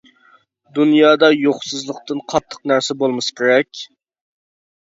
دۇنيادا يوقسۇزلۇقتىن قاتتىق نەرسە بولمىسا كېرەك!